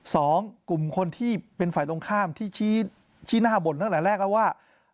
สองกลุ่มคนที่เป็นฝ่ายตรงข้ามที่ชี้หน้าบ่นตั้งแต่แรกแล้วว่า